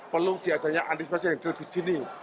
perlu diadanya antisipasi yang lebih dini